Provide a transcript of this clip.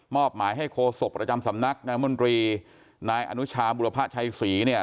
หมายให้โคศกประจำสำนักนามนตรีนายอนุชาบุรพชัยศรีเนี่ย